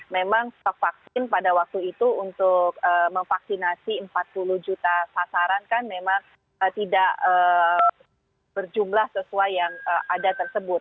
memang stok vaksin pada waktu itu untuk memvaksinasi empat puluh juta sasaran kan memang tidak berjumlah sesuai yang ada tersebut